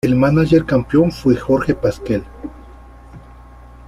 El mánager campeón fue Jorge Pasquel.